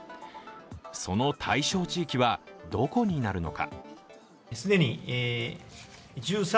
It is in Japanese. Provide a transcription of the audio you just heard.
その対象地域はどこになるのか。